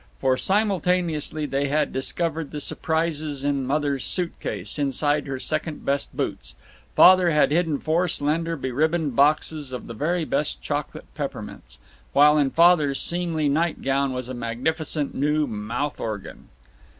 For simultaneously they had discovered the surprises. In Mother's suit case, inside her second best boots, Father had hidden four slender beribboned boxes of the very best chocolate peppermints; while in Father's seemly nightgown was a magnificent new mouth organ.